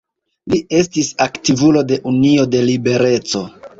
Li estis aktivulo de Unio de Libereco.